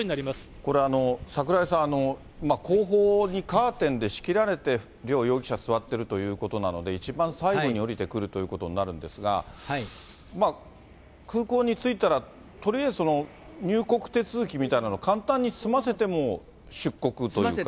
これ、櫻井さん、後方にカーテンで仕切られて両容疑者座ってるということなので、一番最後に降りてくるということになるんですが、空港に着いたら、とりあえず、入国手続きみたいなの、簡単に済ませて、もう、出国というか。